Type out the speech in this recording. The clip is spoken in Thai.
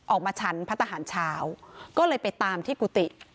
ออกมาชั้นพระทหารเช้าก็เลยไปตามที่กุฏิ